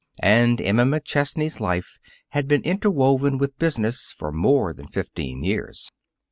And Emma McChesney's life had been interwoven with business for more than fifteen years.